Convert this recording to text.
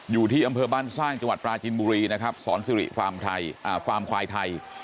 อยู่ที่อำเภอบ้านสร้างจังหวัดปราจินบุรีนะครับสอนสิริฟาร์มควายไทย